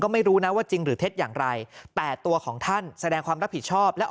ไม่รู้นะว่าจริงหรือเท็จอย่างไรแต่ตัวของท่านแสดงความรับผิดชอบและ